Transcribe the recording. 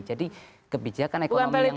jadi kebijakan ekonomi yang pro rakyat